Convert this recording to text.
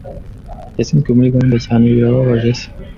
Yatsinzwe muri gahunda, cyane birababaje se.